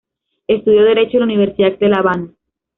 Estudió derecho en la Universidad de La Habana.